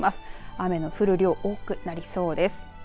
雨の降る量、多くなりそうです。